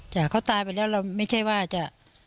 จากเขาตายไปแล้วเราไม่ใช่ว่าจะ